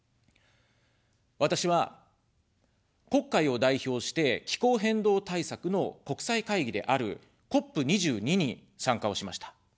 私は、国会を代表して、気候変動対策の国際会議であるＣＯＰ２２に参加をしました。